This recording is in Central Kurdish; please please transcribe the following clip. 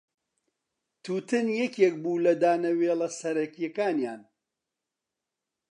تووتن یەکێک بوو لە دانەوێڵە سەرەکییەکانیان.